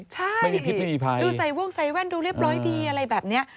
ใช่ดูใส่ว่งใส่แว่นดูเรียบร้อยดีอะไรแบบนี้